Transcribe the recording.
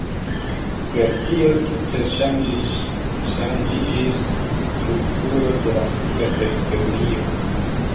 Per tio tute ŝanĝiĝis strukturo de la tuta teritorio.